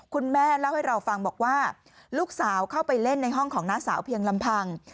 คุณแม่เล่าให้เราฟังบอกว่าลูกสาวเข้าไปเล่นในห้องของน้าสาวเพียงลำพัง